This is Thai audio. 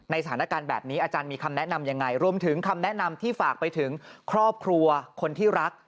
สถานการณ์แบบนี้อาจารย์มีคำแนะนำยังไงรวมถึงคำแนะนำที่ฝากไปถึงครอบครัวคนที่รัก